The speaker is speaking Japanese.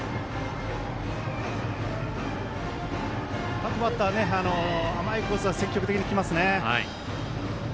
各バッター甘いコースは積極的に来ますね。